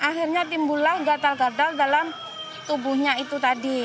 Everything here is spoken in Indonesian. akhirnya timbulah gatal gatal dalam tubuhnya itu tadi